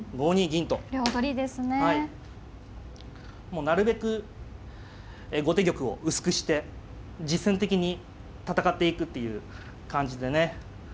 もうなるべく後手玉を薄くして実戦的に戦っていくっていう感じでね。